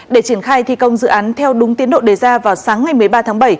để triển khai thi công dự án theo đúng tiến độ đề ra vào sáng ngày một mươi ba tháng bảy